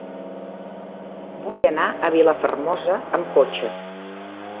Vull anar a Vilafermosa amb cotxe.